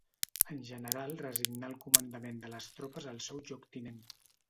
El general resignà el comandament de les tropes al seu lloctinent.